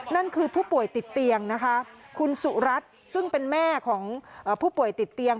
นั่นคือผู้ป่วยติดเตียงนะคะคุณสุรัตน์ซึ่งเป็นแม่ของผู้ป่วยติดเตียง